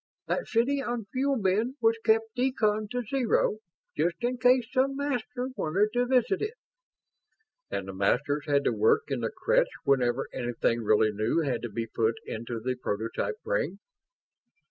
That city on Fuel Bin was kept deconned to zero, just in case some Master wanted to visit it." "And the Masters had to work in the creche whenever anything really new had to be put into the prototype brain."